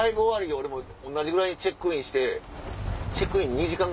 俺同じぐらいにチェックインして。